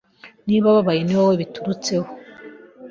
Niba ababaye ni wowe biturutseho